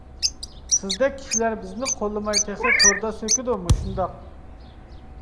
سىزدەك كىشىلەر بىزنى قوللىماي تېخى توردا سۆكىدۇ مۇشۇنداق.